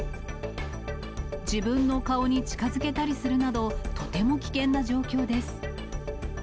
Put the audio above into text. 自分の顔に近づけたりするなど、とても危険な状況です。